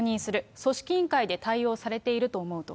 組織委員会で対応されていると思うと。